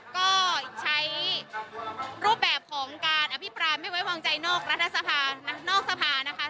ก็ใช้รูปแบบของการอภิปราณให้ไว้วางใจนอกสะพานนะคะ